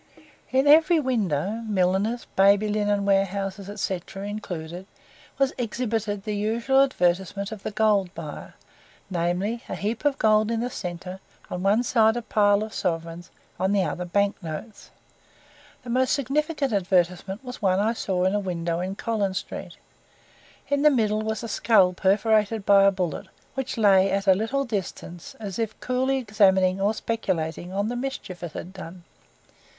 In every window milliners, baby linen warehouses, &c., included was exhibited the usual advertisement of the gold buyer namely, a heap of gold in the centre, on one side a pile of sovereigns, on the other bank notes. The most significant advertisement was one I saw in a window in Collins Street. In the middle was a skull perforated by a bullet, which lay at a little distance as if coolly examining or speculating on the mischief it had done.